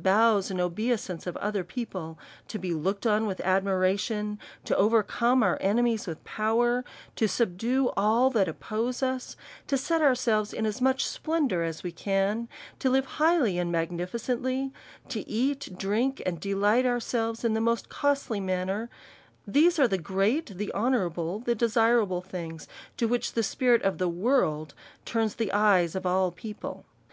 219 bows and obeisance of other people, to be looked on with admiration, to overcome our enemies with pow er, to subdue all that oppose us, to set ourselves in as much splendour as we can, to live highly and magni ficently, to eat and drink, and delight ourselves in the most costly manner, these are the great, the honour able, the desirable things, to which the spirit of the world turns the eyes of all people.